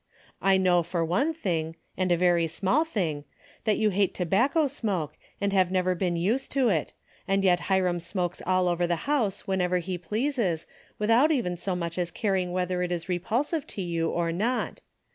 I know for one thing, and a very small thing, that you hate tobacco smoke and have never been used to it, and yet Hiram smokes all over the house whenever he pleases, without even so much as caring whether it is repulsive to you or not.